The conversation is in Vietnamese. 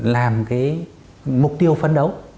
làm cái mục tiêu phấn đấu